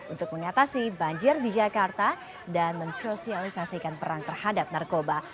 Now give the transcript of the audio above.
untuk mengatasi banjir di jakarta dan mensosialisasikan perang terhadap narkoba